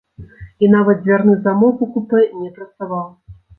І нават дзвярны замок у купэ не працаваў.